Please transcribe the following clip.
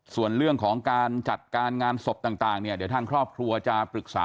ส่วนเรื่องของการจัดการงานศพต่างเนี่ยเดี๋ยวทางครอบครัวจะปรึกษา